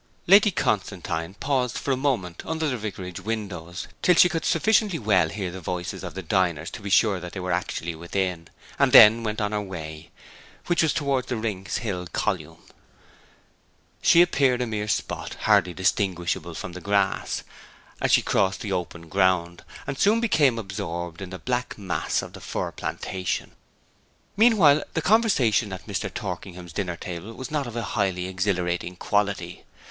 Lady Constantine paused for a moment under the vicarage windows, till she could sufficiently well hear the voices of the diners to be sure that they were actually within, and then went on her way, which was towards the Rings Hill column. She appeared a mere spot, hardly distinguishable from the grass, as she crossed the open ground, and soon became absorbed in the black mass of the fir plantation. Meanwhile the conversation at Mr. Torkingham's dinner table was not of a highly exhilarating quality.